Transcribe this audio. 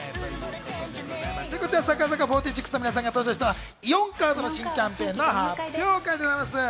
櫻坂４６の皆さんが登場したのはイオンカードの新キャンペーン発表会です。